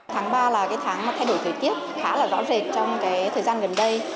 tháng ba là tháng mà thay đổi thời tiết khá là rõ rệt trong cái thời gian gần đây